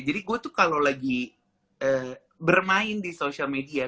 jadi gue tuh kalau lagi bermain di social media